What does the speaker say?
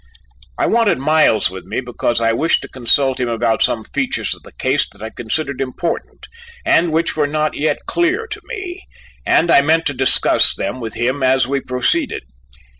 I wanted Miles with me, because I wished to consult him about some features of the case that I considered important, and which were not yet clear to me, and I meant to discuss them with him as we proceeded.